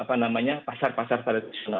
tapi coba masuk ke pasar pasar tradisional